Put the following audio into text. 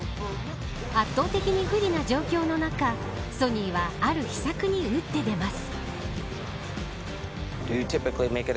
圧倒的に不利な状況の中ソニーはある秘策に打って出ます。